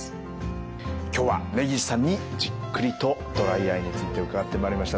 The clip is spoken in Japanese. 今日は根岸さんにじっくりとドライアイについて伺ってまいりました。